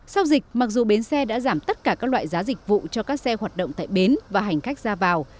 sau dịch mặc dù bến xe đã giảm tất cả các loại giá dịch vụ cho các xe hoạt động tại bến và hành khách ra vào